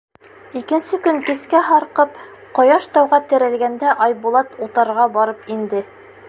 Икенсе көн кискә һарҡып, ҡояш тауға терәлгәндә Айбулат утарға барып инде.